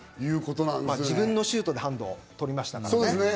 自分のシュートでハンドを取りましたからね。